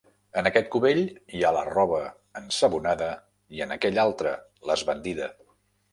En aquest cubell hi ha la roba ensabonada i en aquell altre l'esbandida.